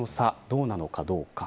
どうなのかどうか。